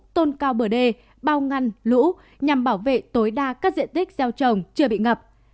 tôn cao bờ đê bao ngăn lũ nhằm bảo vệ tối đa các diện tích gieo trồng chưa bị ngập